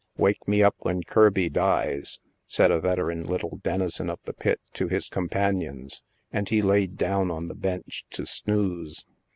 " Wake me up when Kirby dies," said a veteran little denizen of the pit to his companions, and he laid down on the bench to snooze.